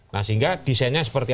nah sehingga desainnya seperti